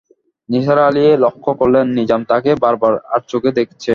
নিসার আলি লক্ষ করলেন, নিজাম তাঁকে বারবার আড়চোখে দেখছে।